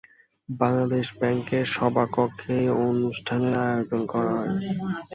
বাংলাদেশ ব্যাংকের সভাকক্ষে এই অনুষ্ঠানের আয়োজন করা হয়।